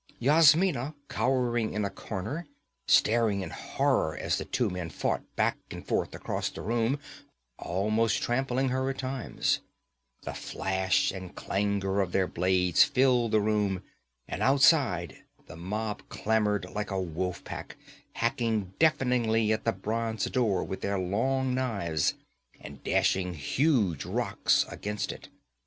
Yasmina cowered in a corner, staring in horror as the two men fought back and forth across the room, almost trampling her at times; the flash and clangor of their blades filled the room, and outside the mob clamored like a wolf pack, hacking deafeningly at the bronze door with their long knives, and dashing huge rocks against it.